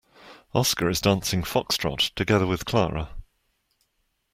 Oscar is dancing foxtrot together with Clara.